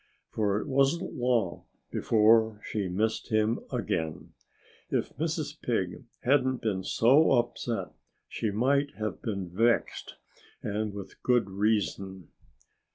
For it wasn't long before she missed him again. If Mrs. Pig hadn't been so upset she might have been vexed and with good reason.